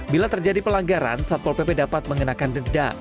bila terjadi pelanggaran satpol pp dapat mengenakan denda